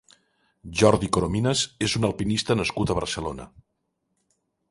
Jordi Corominas és un alpinista nascut a Barcelona.